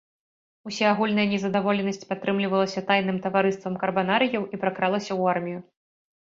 Усеагульная незадаволенасць падтрымлівалася тайным таварыствам карбанарыяў і пракралася ў армію.